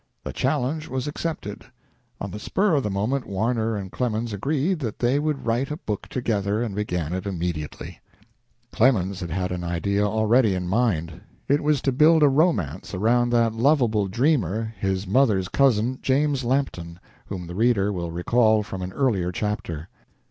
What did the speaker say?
The challenge was accepted. On the spur of the moment Warner and Clemens agreed that they would write a book together, and began it immediately. Clemens had an idea already in mind. It was to build a romance around that lovable dreamer, his mother's cousin, James Lampton, whom the reader will recall from an earlier chapter.